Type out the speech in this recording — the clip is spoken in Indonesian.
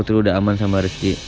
putri udah aman sama rizky